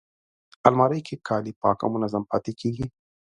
الماري کې کالي پاک او منظم پاتې کېږي